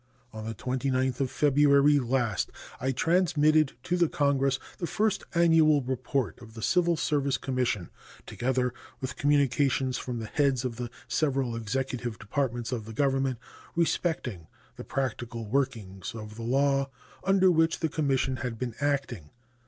On the 29th of February last I transmitted to the Congress the first annual report of the Civil Service Commission, together with communications from the heads of the several Executive Departments of the Government respecting the practical workings of the law under which the Commission had been acting.